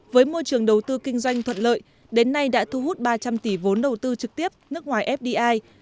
với môi trường đầu tư kinh doanh thuận lợi đến nay đã thu hút ba trăm linh tỷ vốn đầu tư trực tiếp nước ngoài fdi